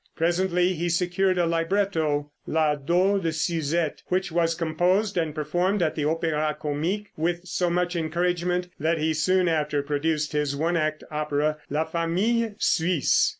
Presently he secured a libretto, "La Dot de Suzette," which was composed and performed at the Opéra Comique, with so much encouragement, that he soon after produced his one act opera, "La Famille Suisse."